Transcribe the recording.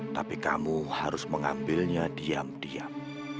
tapi kamu harus mengambilnya diam diam